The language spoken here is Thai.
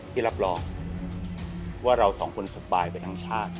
ที่รับรองว่าเราสองคนสบายไปทั้งชาติ